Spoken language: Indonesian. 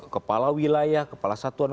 kepala wilayah kepala satuan